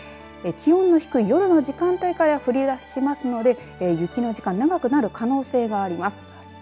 気温の低い夜の時間帯から降り出しますので雪の時間、長くなる可能性があります。